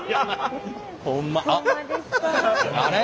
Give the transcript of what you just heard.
あれ？